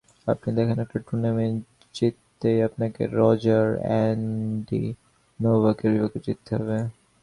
আপনি দেখেন, একটা টুর্নামেন্ট জিততেই আপনাকে রজার, অ্যান্ডি, নোভাকের বিপক্ষে জিততে হবে।